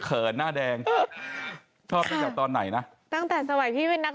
เขินหน้าแดงชอบขยับตอนไหนนะตั้งแต่สมัยพี่เป็นนัก